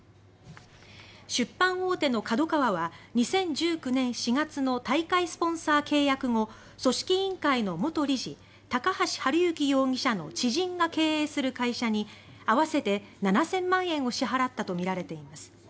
出版大手のＫＡＤＯＫＡＷＡは２０１９年４月の大会スポンサー契約後組織委員会の元理事高橋治之容疑者の知人が経営する会社に合わせて７０００万円を支払ったとみられています。